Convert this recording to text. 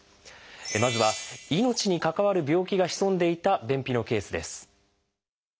まずは命に関わる病気が潜んでいた便秘のケースです。